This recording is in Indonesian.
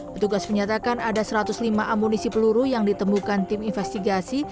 petugas menyatakan ada satu ratus lima amunisi peluru yang ditemukan tim investigasi